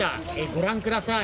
ご覧ください。